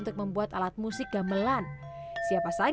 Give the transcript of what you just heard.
dan kamu bisa mulai dengan menghidupkan